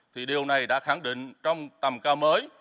thì điều này đã khẳng định trong tầm cao mới